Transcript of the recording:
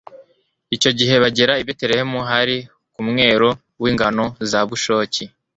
icyo gihe bagera i betelehemu, hari ku mwero w'ingano za bushoki